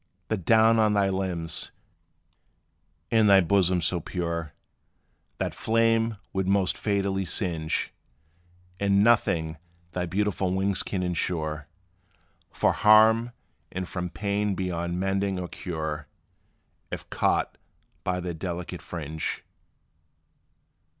The down on thy limbs and thy bosom so pure That flame would most fatally singe: And nothing thy beautiful wings can insure From harm and from pain beyond mending or cure, If caught by their delicate fringe.